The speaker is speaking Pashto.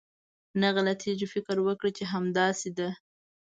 نه غلطېږي، فکر وکه چې همداسې ده.